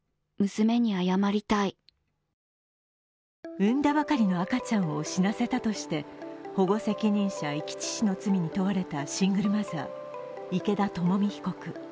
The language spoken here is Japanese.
産んだばかりの赤ちゃんを死なせたとして保護責任者遺棄致死の罪に問われたシングルマザー・池田知美被告。